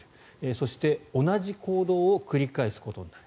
そして同じ行動を繰り返すことになる。